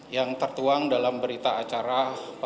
yang tertuang dalam peradilan